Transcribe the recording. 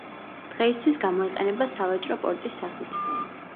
დღეისათვის გამოიყენება სავაჭრო პორტის სახით.